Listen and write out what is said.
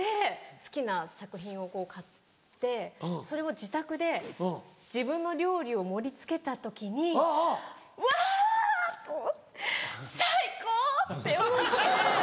好きな作品を買ってそれを自宅で自分の料理を盛り付けた時に「わぁ‼最高！」って思って。